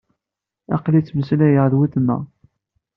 Aql-i ttmeslayeɣ d weltma.